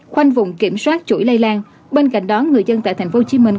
khoanh vùng kiểm soát chuỗi lây lan bên cạnh đó người dân tại thành phố hồ chí minh